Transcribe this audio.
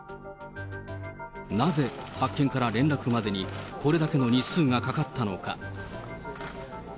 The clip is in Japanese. なぜ発見から連絡までにこれだけの日数がかかったのか。